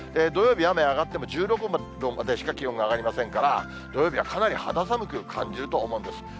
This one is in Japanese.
土曜日、雨上がっても、１６度までしか気温が上がりませんから、土曜日はかなり肌寒く感じると思うんです。